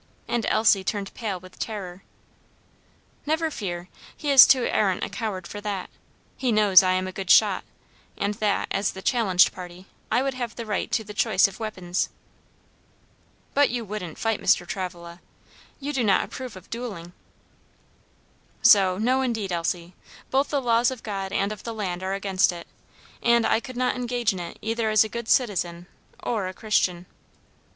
and Elsie turned pale with terror. "Never fear; he is too arrant a coward for that; he knows I am a good shot, and that, as the challenged party, I would have the right to the choice of weapons." "But you wouldn't fight, Mr. Travilla? you do not approve of duelling?" "So, no indeed, Elsie; both the laws of God and of the land are against it, and I could not engage in it either as a good citizen or a Christian."